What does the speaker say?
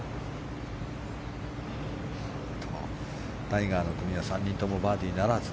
タイガーの組は３人ともバーディーならず。